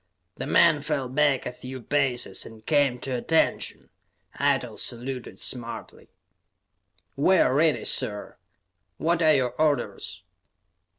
The men fell back a few paces and came to attention; Eitel saluted smartly. "We are ready, sir. What are your orders?"